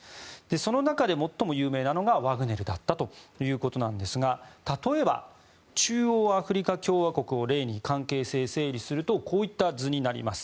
その中で最も有名なのがワグネルだったということですが例えば中央アフリカ共和国を例に関係性を整理するとこういった図になります。